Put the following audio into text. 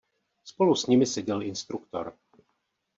Spolu s nimi seděl instruktor.